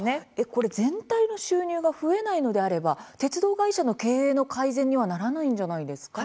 これ、全体の収入が増えないのであれば鉄道会社の経営の改善にはならないんじゃないですか？